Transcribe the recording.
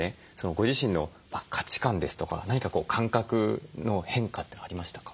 ご自身の価値観ですとか何か感覚の変化ってありましたか？